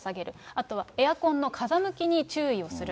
あとはエアコンの風向きに注意をする。